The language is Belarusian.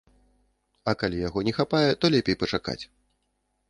А калі яго не хапае, то лепей пачакаць.